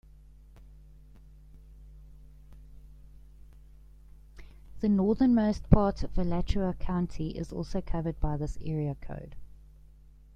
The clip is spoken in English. The northernmost part of Alachua County is also covered by this area code.